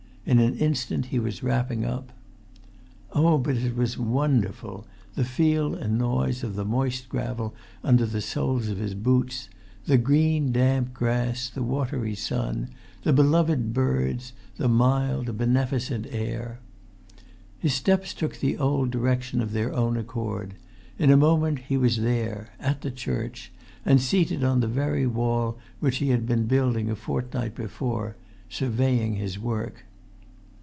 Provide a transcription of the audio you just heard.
In an instant he was wrapping up. Oh, but it was wonderful! the feel and noise of the moist gravel under the soles of his boots; the green, damp grass; the watery sun; the beloved birds; the mild, beneficent air. His steps took the old direction of their own accord. In a minute he was there, at the church, and seated on the very wall which he had been building a fortnight before, surveying his work.